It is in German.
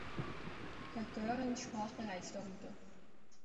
Herr Görens sprach bereits darüber.